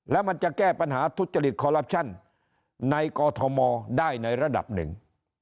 และมันจะแก้ปัญหาทุจภิษฐ์ในกอธรมอร์ได้ในระดับหนึ่ง